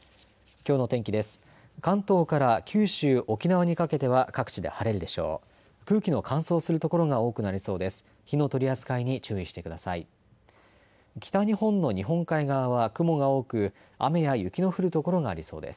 きょうの天気です。